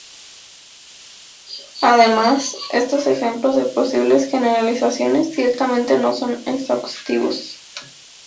Además, estos ejemplos de posibles generalizaciones ciertamente no son exhaustivos.